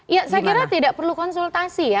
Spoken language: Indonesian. ya saya kira tidak perlu konsultasi ya